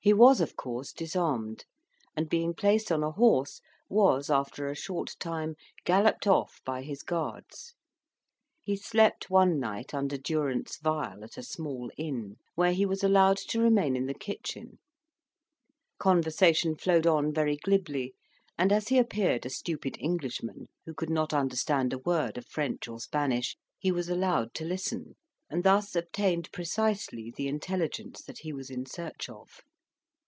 He was of course disarmed, and being placed on a horse, was, after a short time, galloped off by his guards. He slept one night under durance vile at a small inn, where he was allowed to remain in the kitchen; conversation flowed on very glibly, and as he appeared a stupid Englishman, who could not understand a word of French or Spanish, he was allowed to listen, and thus obtained precisely the intelligence that he was in search of.